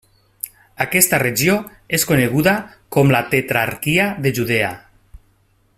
Aquesta regió és coneguda com la tetrarquia de Judea.